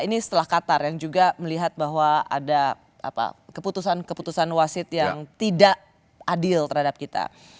ini setelah qatar yang juga melihat bahwa ada keputusan keputusan wasit yang tidak adil terhadap kita